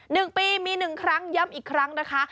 หนึ่งปีมีหนึ่งครั้งย้ำอีกครั้งนะคะ